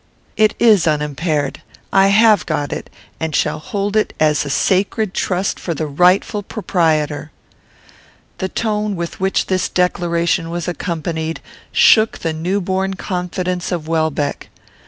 "It is unimpaired. I have got it, and shall hold it as a sacred trust for the rightful proprietor." The tone with which this declaration was accompanied shook the new born confidence of Welbeck.